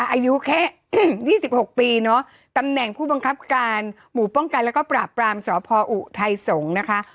อายุแค่๒๖ปีเนอะตำแหน่งผู้บังคับการหมู่ป้องกันแล้วก็ปราบปรามสพออุทัยสงฆ์นะคะ